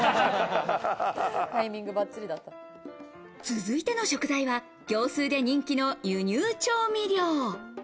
続いての食材は業スーで人気の輸入調味料。